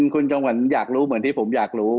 คุณจงหวันอยากรู้เหมือนที่ผมอยากรู้